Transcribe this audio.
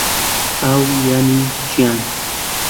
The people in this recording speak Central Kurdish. ئاو یانی ژیان